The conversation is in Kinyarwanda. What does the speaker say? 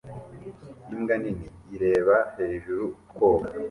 Imbwa nini ireba hejuru koga